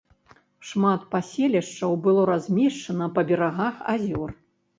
Шмат паселішчаў было размешчана па берагах азёр.